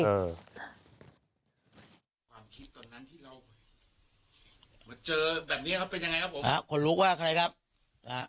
เหมือนเจอแบบเนี้ยครับเป็นยังไงครับผมอะคนลุกว่าใครครับอะ